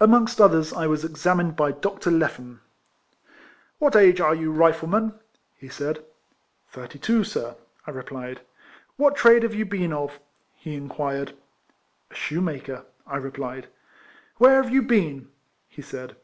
Amongst others I was examined by Dr. Lephan. " What age are you, Rifleman?" he said. " Thirty two, sir," I replied. " What trade have you been of ?" he in quired. " A shoemaker," I replied. " Where have you been?" he said.